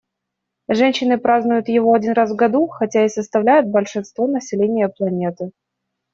Женщины празднуют его один раз в году, хотя и составляют большинство населения планеты.